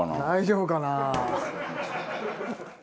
大丈夫かな？